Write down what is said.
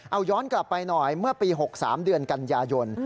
เอาย้อนกลับไปหน่อยเมื่อปี๖๓เดือนกันยายน